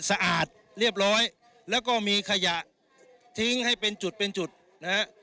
สะอาดเรียบร้อยแล้วก็มีขยะทิ้งให้เป็นจุดเป็นจุดนะฮะ